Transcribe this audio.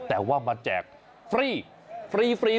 แต่ว่ามาแจกฟรี